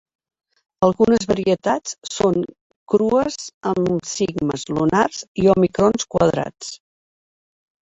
Algunes varietats són crues amb sigmes lunars i òmicrons quadrats.